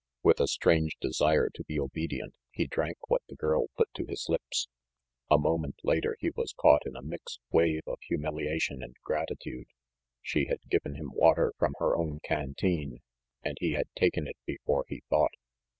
With a strange desire to be obedient, he drank what the girl put to his lips. A moment later he was RANGY PETE 377 caught in a mixed wave of humiliation and gratitude. She had given him water from her own canteen, and he had taken it before he thought.